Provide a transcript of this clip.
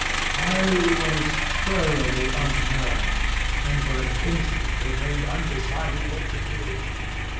ŌĆØ I was thoroughly unnerved, and for an instant remained undecided what to do.